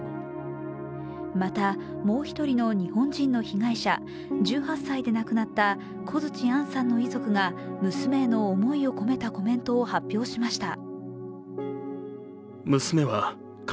また、もう一人の日本人の被害者１８歳で亡くなった小槌杏さんの遺族が娘への思いを込めたコメントを発表しました。